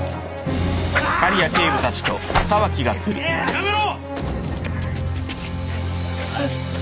やめろ！